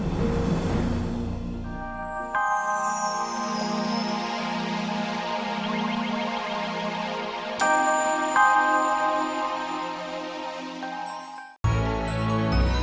sampai jumpa lagi